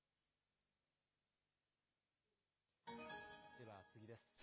では、次です。